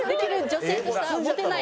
女性としてはモテない。